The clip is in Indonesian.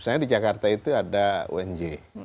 misalnya di jakarta itu ada unj